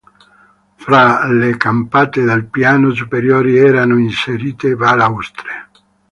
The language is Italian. Fra le campate del piano superiore erano inserite balaustre.